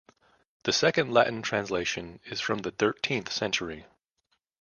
The second Latin translation is from the thirteenth century.